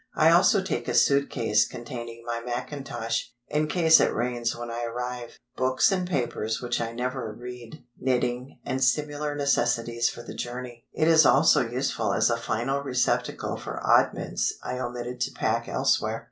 I also take a suit case containing my mackintosh—in case it rains when I arrive—books and papers which I never read, knitting, and similar necessities for the journey; it is also useful as a final receptacle for oddments I omitted to pack elsewhere.